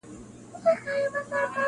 ساقي واخله ټول جامونه پرې خړوب که,